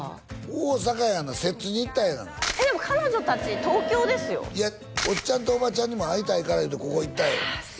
大阪やんか摂津に行ったんやがなでも彼女達東京ですよおっちゃんとおばちゃんにも会いたいから言うてここ行ったんよえっ